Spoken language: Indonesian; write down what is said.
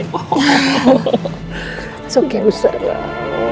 tidak apa apa bu sarah